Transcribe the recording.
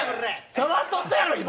触っとったやろ、今。